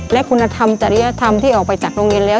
และคุณธรรมจริยธรรมที่ออกไปจากโรงเรียนแล้ว